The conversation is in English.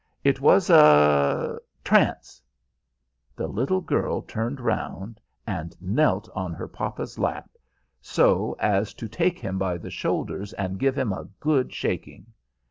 "It was a trance." The little girl turned round, and knelt in her papa's lap, so as to take him by the shoulders and give him a good shaking.